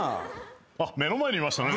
あっ目の前にいましたね。